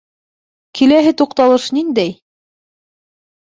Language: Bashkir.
Киләһе туҡталыш ниндәй?